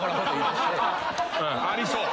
ありそう。